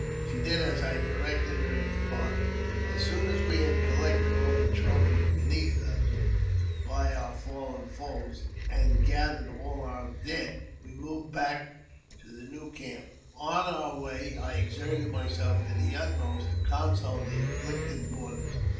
She did as I directed her, and departed. As soon as we had collected all the trophies bequeathed us hy our fallen foes, and gathered all our own dead, we moved back to the new camp. On our way, I exerted myself to the utmost to console the afflicted mourners.